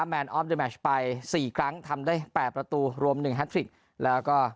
แมนออฟดิแมชไปสี่ครั้งทำได้แปดประตูรวมหนึ่งแล้วก็